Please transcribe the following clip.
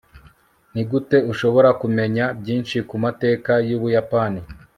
nigute ushobora kumenya byinshi ku mateka y'ubuyapani